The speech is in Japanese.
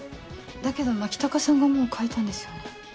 だけど牧高さんがもう描いたんですよね？